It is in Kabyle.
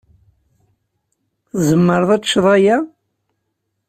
Tzemreḍ ad teččeḍ aya?